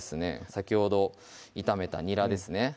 先ほど炒めたにらですね